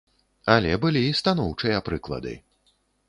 Але былі і станоўчыя прыклады.